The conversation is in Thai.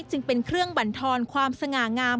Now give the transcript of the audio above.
จึงเป็นเครื่องบรรทอนความสง่างาม